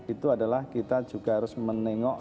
itu adalah kita juga harus menengok